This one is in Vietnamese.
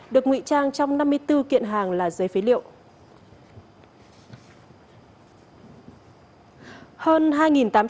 được nguy trang trong năm mươi bốn kiện hàng là giấy phế liệu